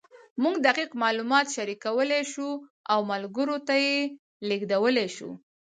موږ دقیق معلومات شریکولی شو او ملګرو ته یې لېږدولی شو.